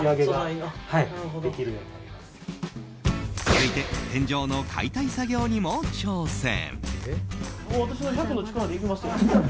続いて天井の解体作業にも挑戦。